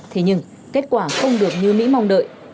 thế nhưng kết quả không được như mỹ mong đợi